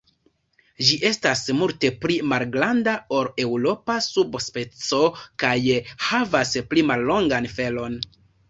Ĝi estas multe pli malgranda ol la eŭropa sub-speco kaj havas pli mallongan felon.